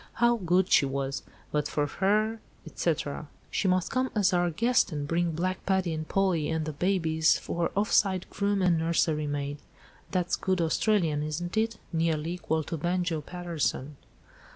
How good she was. But for her —, etc." "She must come as our guest, and bring Black Paddy and Polly, and the babies, for offside groom and nurserymaid—(that's good Australian, isn't it? nearly equal to 'Banjo' Paterson)."